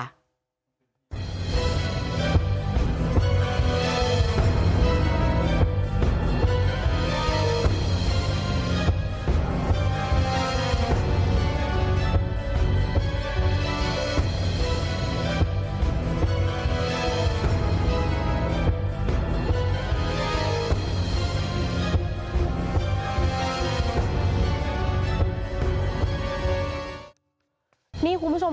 ยินดีตอนเลือดแค่ละ๒๙น